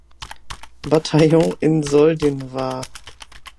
Bataillon in Soldin war.